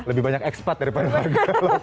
lebih banyak ekspat daripada warga